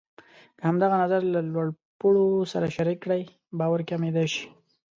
که همدغه نظر له لوړ پوړو سره شریک کړئ، باور کمېدای شي.